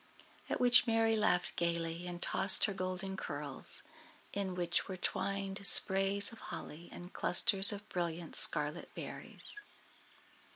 At which Merry laughed gayly, and tossed her golden curls, in which were twined sprays of holly and clusters of brilliant scarlet berries.